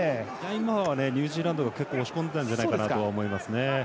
今はニュージーランドが結構押し込んでいたんじゃないかなと思いますね。